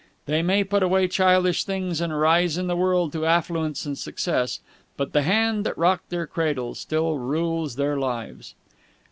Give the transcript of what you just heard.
They may put away childish things and rise in the world to affluence and success, but the hand that rocked their cradle still rules their lives.